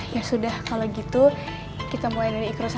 ya sudah kalau gitu kita mulai dari ikhrus satu ya